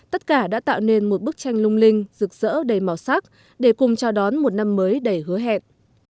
tất cả đã tạo nên một bức tranh lung linh rực rỡ đầy màu sắc để cùng chào đón một năm mới đầy hứa hẹn